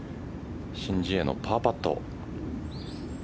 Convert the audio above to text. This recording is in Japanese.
申ジエのパーパット。